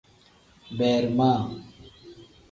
Beemiraa.